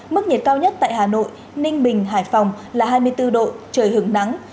mức nhiệt cao nhất tại hà nội ninh bình hải phòng là hai mươi bốn độ trời hứng nắng